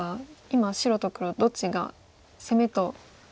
今白と黒どっちが攻めと。